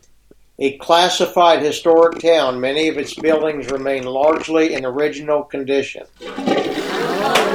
A classified historic town, many of its buildings remain largely in original condition.